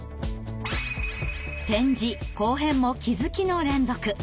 点字後編も気づきの連続！